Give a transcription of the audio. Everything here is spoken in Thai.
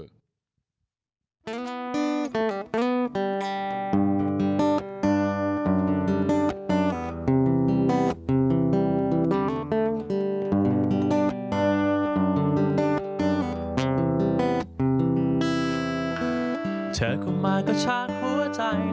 อย่าใช้เวลาที่ไม่ชอบ